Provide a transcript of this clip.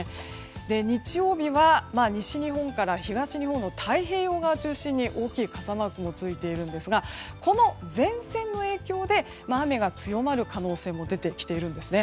日曜日は、西日本から東日本の太平洋側を中心に大きい傘マークもついているんですがこの前線の影響で雨が強まる可能性も出てきているんですね。